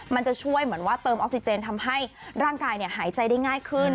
มันจะช่วยเหมือนว่าเติมออกซิเจนทำให้ร่างกายหายใจได้ง่ายขึ้น